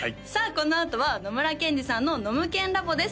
このあとは野村ケンジさんのノムケンＬａｂ！です